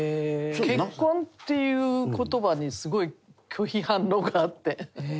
結婚っていう言葉にすごい拒否反応があって。